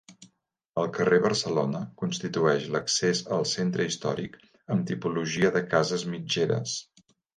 El carrer Barcelona constitueix l'accés al centre històric amb tipologia de cases mitgeres.